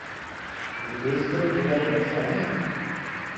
¡Pero é que isto é de hai anos xa!, ¿eh?